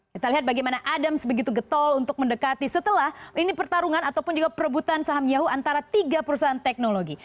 kita lihat bagaimana adams begitu getol untuk mendekati setelah ini pertarungan ataupun juga perebutan saham yahu antara tiga perusahaan teknologi